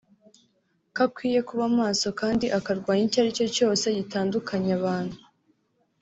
ko akwiye kuba maso kandi akarwanya icyo ari cyo cyose gitandukanya abantu